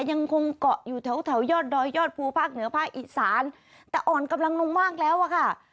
ยังคงเกาะอยู่แถวแถวยอดดอยยอดภูภาคเหนือภาคอีสานแต่อ่อนกำลังลงมากแล้วอะค่ะ